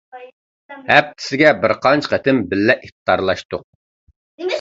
ھەپتىسىگە بىرقانچە قېتىم بىللە ئىپتارلاشتۇق.